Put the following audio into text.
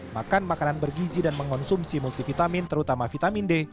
makan makanan bergizi dan mengonsumsi multivitamin terutama vitamin d